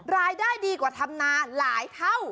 รายได้ดีกว่าธรรมนาหลายเท่า